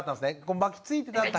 巻きついてただけ。